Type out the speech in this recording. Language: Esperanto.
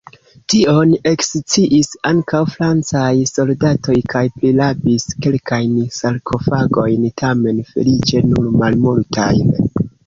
Tion eksciis ankaŭ francaj soldatoj kaj prirabis kelkajn sarkofagojn, tamen feliĉe nur malmultajn.